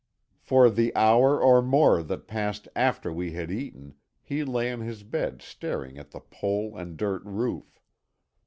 For the hour or more that passed after we had eaten he lay on his bed staring at the pole and dirt roof.